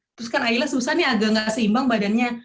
terus kan akhirnya susah nih agak gak seimbang badannya